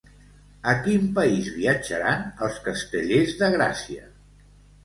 A quin país viatjaran els castellers de Gràcia?